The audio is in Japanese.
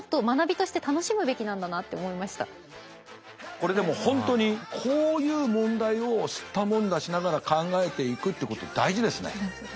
これでも本当にこういう問題をすったもんだしながら考えていくってこと大事ですね。